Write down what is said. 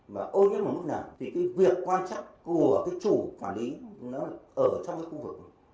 mà ô nhiễm ở mức nào thì cái việc quan chắc của cái chủ quản lý nó ở trong cái khu vực